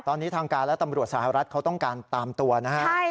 ตอนนี้ทางการและตำรวจสหรัฐเขาต้องการตามตัวนะครับ